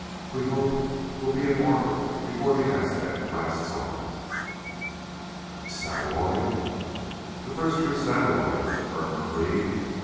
we hope ... will be in orbit before the Aztec blasts off." "Satelloid?" "The first true satelloid," the Colonel agreed.